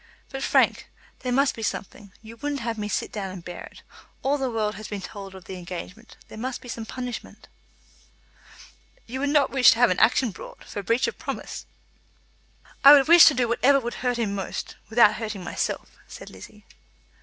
"But, Frank, there must be something. You wouldn't have me sit down and bear it. All the world has been told of the engagement. There must be some punishment." "You would not wish to have an action brought, for breach of promise?" "I would wish to do whatever would hurt him most, without hurting myself," said Lizzie.